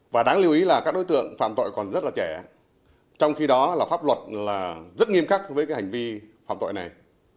và đáng lưu ý là các đối tượng phạm tội còn rất là trẻ trong khi đó pháp luật rất nghiêm khắc với hành vi phạm tội này